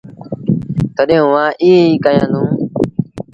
تڏهيݩٚ اُئآݩٚ ايٚئيٚنٚ ئيٚ ڪيآݩدوݩٚ